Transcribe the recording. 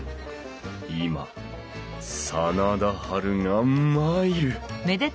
今真田ハルが参る！